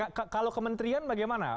oke kalau kementerian bagaimana